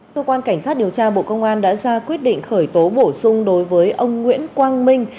cơ quan cảnh sát điều tra bộ công an đã ra quyết định khởi tố bổ sung đối với ông nguyễn quang minh